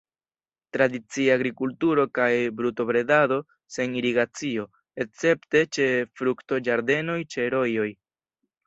Tradicie agrikulturo kaj brutobredado sen irigacio, escepte ĉe fruktoĝardenoj ĉe rojoj.